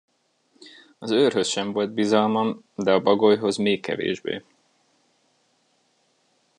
Az őrhöz sem volt bizalmam, de a bagolyhoz még kevésbé.